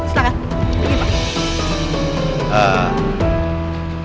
silahkan pergi pak